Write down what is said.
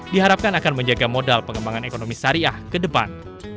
diharapkan akan menjaga modal pengembangan ekonomi syariah ke depan